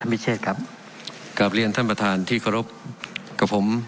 ท่านพิเศษครับกราบเรียนท่านประธานที่ขอรบกับผม